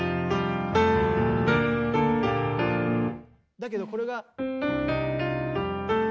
だけどこれが。